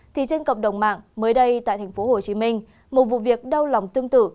thì trên cộng đồng mạng mới đây tại tp hcm một vụ việc đau lòng tương tự